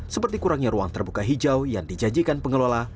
seperti kurangnya ruang terbuka hijau yang dijanjikan pengelola